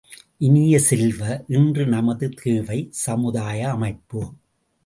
இனிய செல்வ, இன்று நமது தேவை, சமுதாய அமைப்பு!